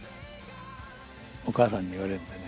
お母さんに言われるんだよね。